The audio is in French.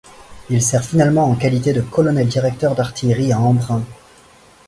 Il sert finalement en qualité de colonel directeur d'artillerie à Embrun.